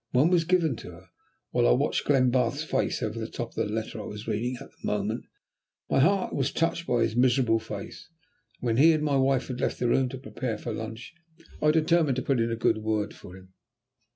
One was given her, while I watched Glenbarth's face over the top of the letter I was reading at the moment. My heart was touched by his miserable face, and when he and my wife had left the room to prepare for lunch, I determined to put in a good word for him.